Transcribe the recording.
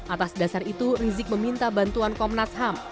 atas dasar itu rizik meminta bantuan komnas ham